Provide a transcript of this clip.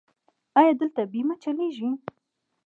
ایا دلته بیمه چلیږي؟